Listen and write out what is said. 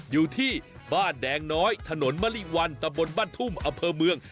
อยู่ที่บ้านแดงน้อยถนนมะลิวันตะบนบ้านทุ่มอำเภอเมือง